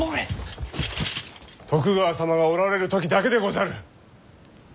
徳川様がおられる時だけでござる。